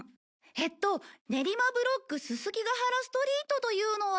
えっとネリマブロックススキガハラストリートというのは。